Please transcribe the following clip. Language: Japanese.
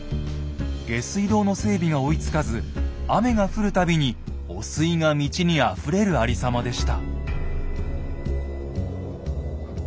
下水道の整備が追いつかず雨が降る度に汚水が道にあふれるありさまでした。